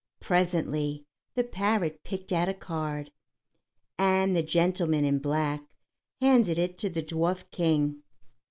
Presently the parrot picked out a card, and the gentleman in black handed it to the Dwarf King.